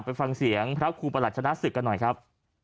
ไปฟังเสียงพระครูประหลัชนะศึกกันหน่อยครับ